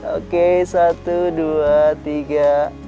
oke satu dua tiga